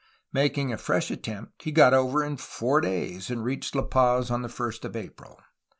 Making a fresh attempt he got over in four days, and reached La Paz on the 1st of April.